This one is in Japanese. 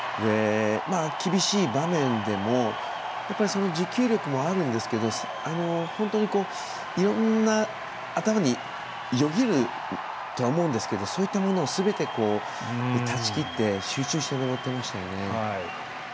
厳しい場面でも持久力もあるんですけど本当にいろんな頭によぎるとは思うんですけどそういったものをすべて断ち切って集中して登ってましたよね。